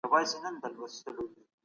موږ د پوهي په لور روان یو.